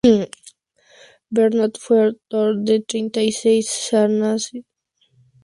Bernat fue autor de treinta y seis sardanas y varias otras obras para copla.